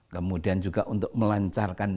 kemudian juga untuk melancarkan